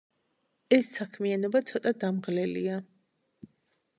ეს საქმიანობა ცოტა დამღლელია